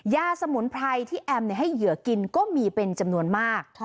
สมุนไพรที่แอมให้เหยื่อกินก็มีเป็นจำนวนมาก